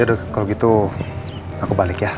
ya udah kalau gitu aku balik ya